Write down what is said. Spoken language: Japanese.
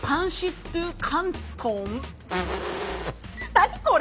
何これ？